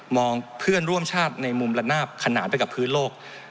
เพื่อนร่วมชาติในมุมละนาบขนานไปกับพื้นโลก